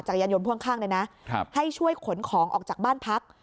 ยานยนพ่วงข้างเลยนะให้ช่วยขนของออกจากบ้านพัก